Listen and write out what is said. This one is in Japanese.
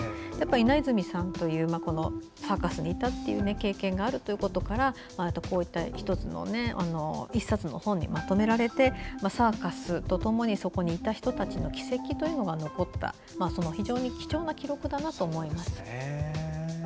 稲泉さんというサーカスにいたっていう経験があるということからこういった１つの１冊の本にまとめられてサーカスと共にそこにいた人たちの軌跡が残ったその非常に貴重な記録だなと思います。